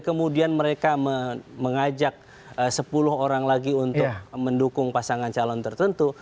kemudian mereka mengajak sepuluh orang lagi untuk mendukung pasangan calon tertentu